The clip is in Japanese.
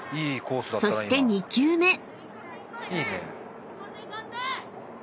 ［そして２球目］